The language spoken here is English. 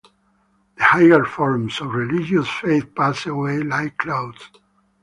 The higher forms of religious faith pass away like clouds.